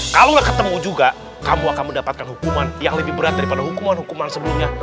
kalau gak ketemu juga kamu akan mendapatkan hukuman yang lebih berat daripada hukuman hukuman sebelumnya